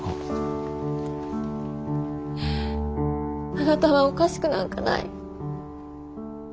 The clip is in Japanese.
あなたはおかしくなんかない。